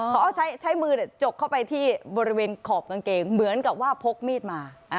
เขาเอาใช้มือจกเข้าไปที่บริเวณขอบกางเกงเหมือนกับว่าพกมีดมา